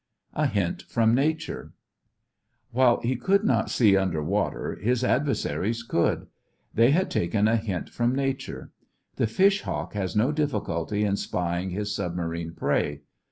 A HINT FROM NATURE While he could not see under water, his adversaries could. They had taken a hint from nature. The fish hawk has no difficulty in spying his submarine prey.